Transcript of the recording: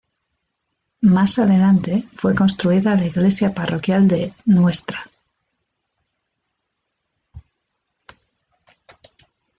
Más adelante fue construida la iglesia parroquial de Ntra.